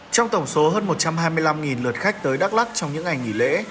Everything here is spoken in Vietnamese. trong tổng số hơn một trăm hai mươi năm lượt khách tới đắk lắc trong những ngày nghỉ lễ